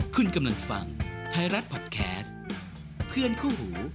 คุณกำลังฟังไทยรัฐพอดแคสต์เพื่อนคู่หู